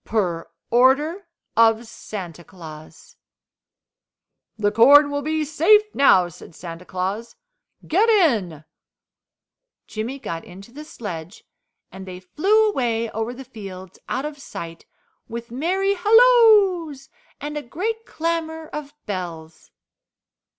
Per order of Santa Claus. "The corn will be safe now," said Santa Claus, "get in." Jimmy got into the sledge and they flew away over the fields, out of sight, with merry halloos and a great clamour of bells.